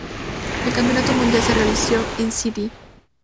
El Campeonato Mundial se realizó en St.